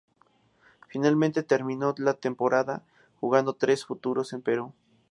Finalmente, terminó la temporada jugando tres futuros en Perú.